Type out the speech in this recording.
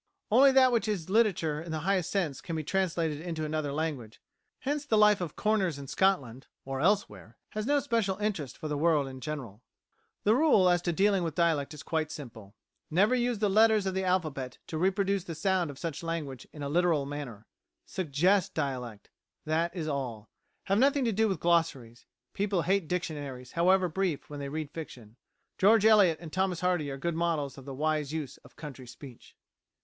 Only that which is literature in the highest sense can be translated into another language; hence the life of corners in Scotland, or elsewhere, has no special interest for the world in general. The rule as to dealing with dialect is quite simple. Never use the letters of the alphabet to reproduce the sound of such language in a literal manner. Suggest dialect; that is all. Have nothing to do with glossaries. People hate dictionaries, however brief, when they read fiction. George Eliot and Thomas Hardy are good models of the wise use of county speech.